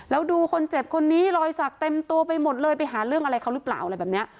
แล้วดูคนเจ็บคนนี้รอยสักเต็มตัวไปหมดเลยไปหาเรื่องอะไรเขาหรือเปล่าอะไรแบบนี้